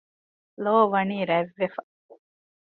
ލޯ ވަނީ ރަތް ވެފަ